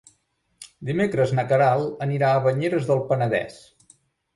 Dimecres na Queralt anirà a Banyeres del Penedès.